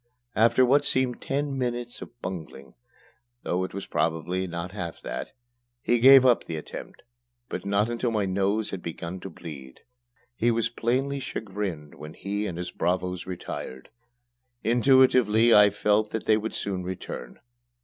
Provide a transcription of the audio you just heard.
After what seemed ten minutes of bungling, though it was probably not half that, he gave up the attempt, but not until my nose had begun to bleed. He was plainly chagrined when he and his bravos retired. Intuitively I felt that they would soon return.